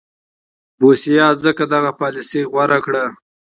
بوسیا ځکه دغه پالیسي غوره کړې وه.